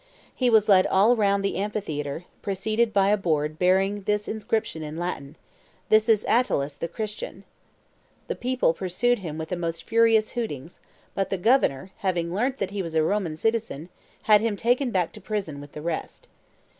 He was led all round the amphitheatre, preceded by a board bearing this inscription in Latin: 'This is Attalus the Christian.' The people pursued him with the most furious hootings; but the governor, having learnt that he was a Roman citizen, had him taken back to prison with the rest.